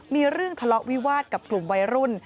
มีเรื่องทะเลาะวิวาสกับกลุ่มวัยรุ่น